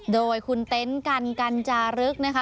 โดยคุณเต็นต์กันกัญจารึกนะคะ